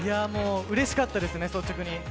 うれしかったですね、率直に。